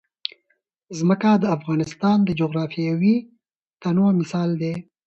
ځمکه د افغانستان د جغرافیوي تنوع مثال دی.